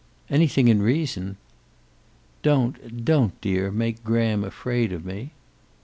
"Anything in reason." "Don't, don't, dear, make Graham afraid of me."